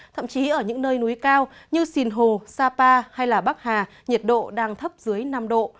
thậm chí ở những nơi núi cao như sìn hồ sapa hay bắc hà nhiệt độ đang thấp dưới năm độ